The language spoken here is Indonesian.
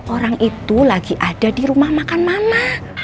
orang itu lagi ada di rumah makan mama